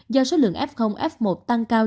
do số lượng f f một tăng cao